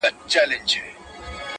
• نه نارې یې چا په غرو کي اورېدلې -